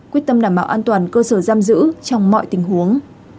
quyết tâm đảm bảo an toàn cơ sở giam giữ trong mọi tình huống